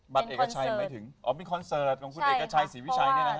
บัตรเอกชัยไม่ถึงมีคอนเสิร์ตคุณเอกชัยศรีวิชัย